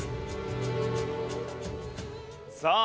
さあ